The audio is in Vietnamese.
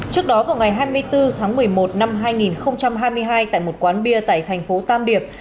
trước đó vào ngày hai mươi bốn tháng một mươi một năm hai nghìn hai mươi hai tại một quán bia tại thành phố tam điệp